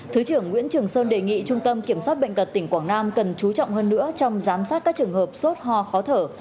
thứ trưởng nguyễn trường sơn đề nghị trung tâm kiểm soát bệnh tật tỉnh quảng nam cần chú trọng hơn nữa trong giám sát các trường hợp sốt ho khó thở